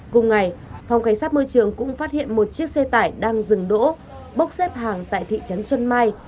cùng ngày phòng cảnh sát môi trường cũng phát hiện một chiếc xe tải đang dừng đỗ bốc xếp hàng tại thị trấn xuân mai